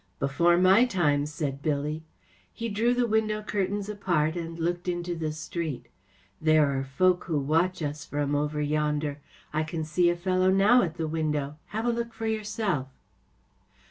‚ÄĚ 4 Before my time,‚ÄĚ said Billy. He drew the window curtains apart and looked out into the street. 44 There are folk who watch us from over yonder. I can see a fellow now at the window. Have a look for yourself.